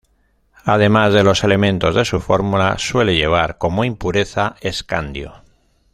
Además de los elementos de su fórmula, suele llevar como impureza escandio.